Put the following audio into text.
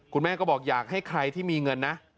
คุณแม่ก็บอกอยากให้ใครที่มีเงินนะ